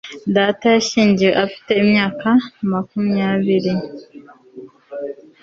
data yashyingiwe afite imyaka makumyabiri